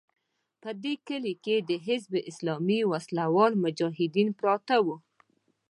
په دې کلي کې د حزب اسلامي وسله وال مجاهدین پراته وو.